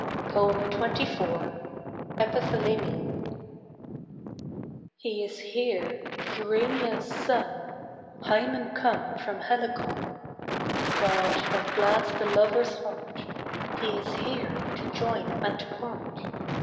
XXIV. EPITHALAMIUM He is here, Urania's son, Hymen come from Helicon; God that glads the lover's heart, He is here to join and part.